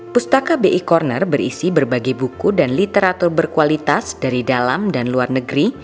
pustaka bi corner berisi berbagai buku dan literatur berkualitas dari dalam dan luar negeri